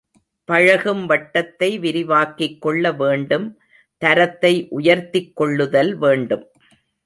பழகும் வட்டத்தை விரிவாக்கிக் கொள்ள வேண்டும், தரத்தை உயர்த்திக் கொள்ளுதல் வேண்டும்.